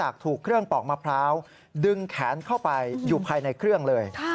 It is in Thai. เข้าไปอยู่ภายในเครื่องเลย